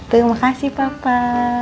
terima kasih papa